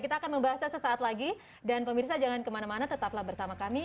kita akan membahasnya sesaat lagi dan pemirsa jangan kemana mana tetaplah bersama kami